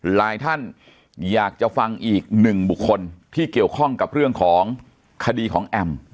หลายท่านอยากจะฟังอีกหนึ่งบุคคลที่เกี่ยวข้องกับเรื่องของคดีของแอม